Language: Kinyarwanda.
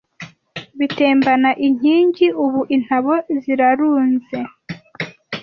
Bitembana inking Ubu intabo zirarunze